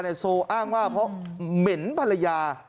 โซอ้างว่าเพราะเหม็นภรรยา